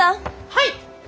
・はい！